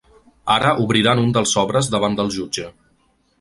Ara obriran un dels sobres davant del jutge.